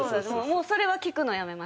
それは聞くのやめました。